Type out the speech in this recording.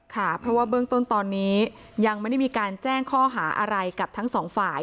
ค่ะเพราะว่าเบื้องต้นตอนนี้ยังไม่ได้มีการแจ้งข้อหาอะไรกับทั้งสองฝ่าย